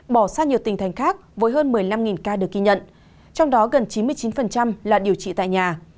bỏ xa nhiều tỉnh thành khác với hơn một mươi năm ca được ghi nhận trong đó gần chín mươi chín là điều trị tại nhà